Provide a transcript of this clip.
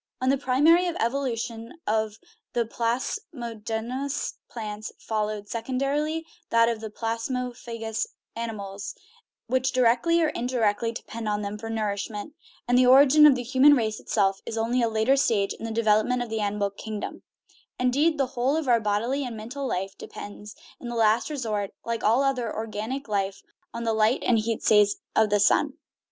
On the primary evolution of he plasmodomous plants fol lowed, secondarily, that of the plasmophagous animals, which directly or indirectly depend on them for nour ishment; and the origin of the human race itself is only a later stage in the development of the animal kingdom Indeed, the whole of our bodily and mental life depends, in the last resort, like all other organic life, on the light and heat rays of the sun.